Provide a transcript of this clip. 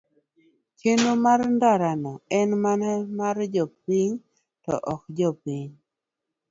chenro mar ndara no en mana mar jopiny to ok mar piny